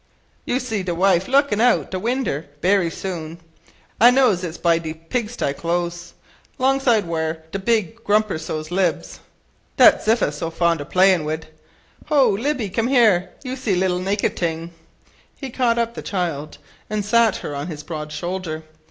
You see de wife lookin' out o' winder bery soon. I knows it by de pig sty close 'longside whar' de big grumper sow libs, dat Ziffa's so fond o' playin' wid. Ho! Lippy, come here, you little naked ting," (he caught up the child an' sat her on his broad shoulder).